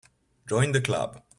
Join the Club.